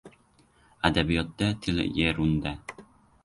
— Adabiyotda til yerunda!